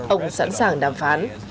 ông sẵn sàng đàm phán